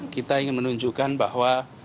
kita ingin menunjukkan bahwa